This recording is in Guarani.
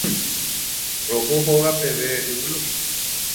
Roho hóga peve yvy rupínte.